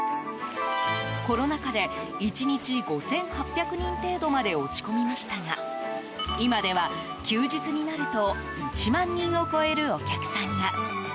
コロナ禍で１日５８００人程度まで落ち込みましたが今では休日になると１万人を超えるお客さんが。